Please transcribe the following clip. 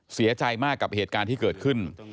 เสียใจมากกับเหตุการณ์ที่เกิดขึ้น